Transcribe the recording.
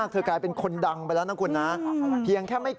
คืออนาคตมันรู้อยู่แล้ว